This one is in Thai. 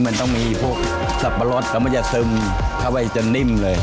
มันต้องมีพวกสับปะรดแล้วมันจะซึมเข้าไปจนนิ่มเลย